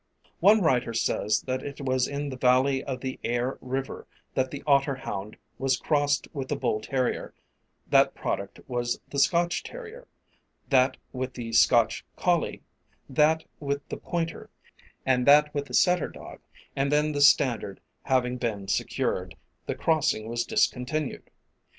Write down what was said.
One writer says that it was in the valley of the Aire river that the Otter hound was crossed with the Bull Terrier, that product was the Scotch terrier, that with the Scotch collie, that with the Pointer, and that with the Setter dog and then the standard having been secured, the crossing was discontinued.